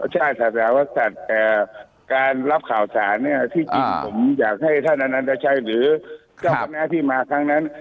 ชาติศาสตราวักษัตริย์แต่การรับข่าวสารเนี่ยที่จริงผมอยากให้ท่านอันตราชัยหรือเจ้าน้าที่มาครั้งนั้น